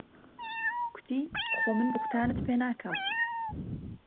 کوتی خۆ ئهمن بوختانت پێ ناکهم